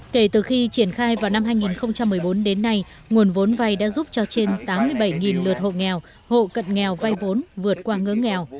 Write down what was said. kể từ khi triển khai vào năm hai nghìn một mươi bốn đến nay nguồn vốn vay đã giúp cho trên tám mươi bảy lượt hộ nghèo hộ cận nghèo vay vốn vượt qua ngưỡng nghèo